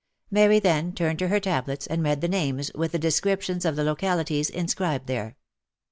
Mary then turned to her tablets, and read the names, with the descriptions of the localities inscribed there.